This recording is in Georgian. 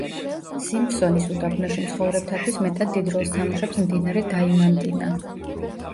სიმფსონის უდაბნოში მცხოვრებთათვის მეტად დიდ როლს თამაშობს მდინარე დაიმანტინა.